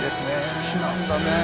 好きなんだねえ。